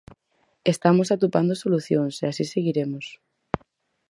Estamos atopando solucións, e así seguiremos.